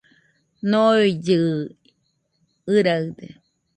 Noillɨɨ ɨraɨde